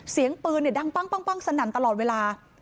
เสียงปืนดังปั้งสนั่นตลอดเวลา